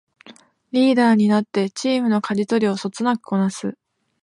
リーダーになってチームのかじ取りをそつなくこなす